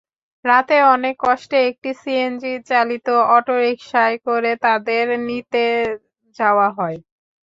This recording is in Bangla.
রাতে অনেক কষ্টে একটি সিএনজিচালিত অটোরিকশায় করে তাঁদের নিতে যাওয়া হয়।